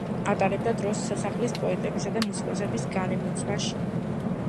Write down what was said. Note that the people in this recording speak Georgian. ატარებდა დროს სასახლის პოეტებისა და მუსიკოსების გარემოცვაში.